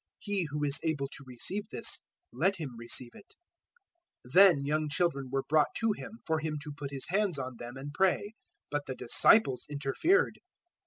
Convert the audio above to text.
He who is able to receive this, let him receive it." 019:013 Then young children were brought to Him for Him to put His hands on them and pray; but the disciples interfered.